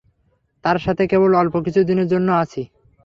তার সাথে কেবল অল্পকিছু দিনের জন্য আছি।